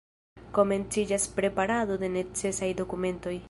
Komenciĝas preparado de necesaj dokumentoj.